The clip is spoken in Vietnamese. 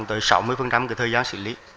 tới sáu mươi thời gian xử lý